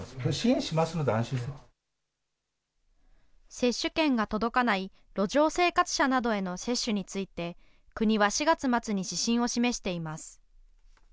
接種券が届かない路上生活者などへの接種について、国は４月末に指針を示しています。